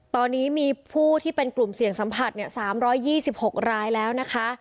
ตอนนี้มีผู้ที่เป็นกลุ่มเสี่ยงสัมผัส๓๒๖รายแล้วนะคะ